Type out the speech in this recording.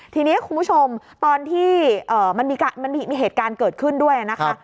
ทีนี้คุณผู้ชมตอนที่มันมีเหตุการณ์เกิดขึ้นด้วยนะคะ